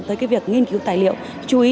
tới cái việc nghiên cứu tài liệu chú ý